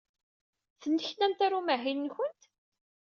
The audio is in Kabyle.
Tenneknamt ɣer umahil-nwent?